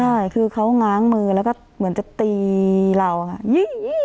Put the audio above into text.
ใช่คือเขาง้างมือแล้วก็เหมือนจะตีเราค่ะ